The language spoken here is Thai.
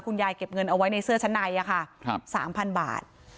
คุณยายเก็บเงินเอาไว้ในเสื้อชะไน่ค่ะสามพันบาท